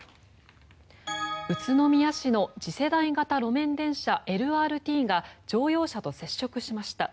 宇都宮市の次世代型路面電車・ＬＲＴが乗用車と接触しました。